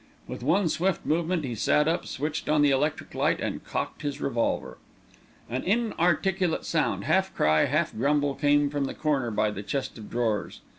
With one swift movement he sat up, switched on the electric light, and cocked his revolver. An inarticulate sound, half cry, half grumble, came from the corner by the chest of drawers.